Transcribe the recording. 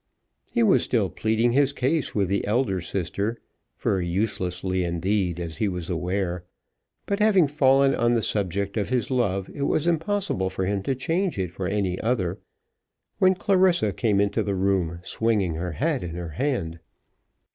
He was still pleading his case with the elder sister, very uselessly indeed, as he was aware; but having fallen on the subject of his love it was impossible for him to change it for any other, when Clarissa came into the room swinging her hat in her hand.